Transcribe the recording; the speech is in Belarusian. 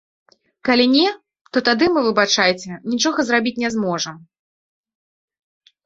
Калі не, то тады мы, выбачайце, нічога зрабіць не зможам.